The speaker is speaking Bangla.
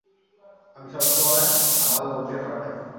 আমি সবমসময় আমার লোকদের পাঠাই।